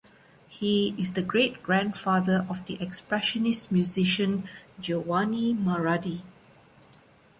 He is the great-grandfather of the expressionist musician Giovanni Marradi.